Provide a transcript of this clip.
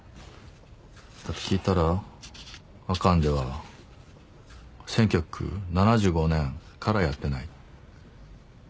聞いたら阿寒では１９７５年からやってない。